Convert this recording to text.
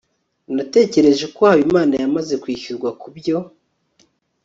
natekereje ko habimana yamaze kwishyurwa kubyo